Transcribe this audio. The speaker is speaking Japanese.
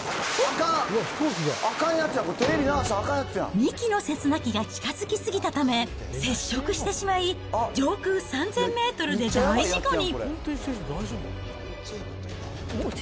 ２機のセスナ機が近づきすぎたため接触してしまい、上空３０００メートルで大事故に。